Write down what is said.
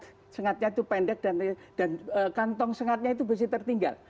karena sengatnya itu pendek dan kantong sengatnya itu mesti tertinggal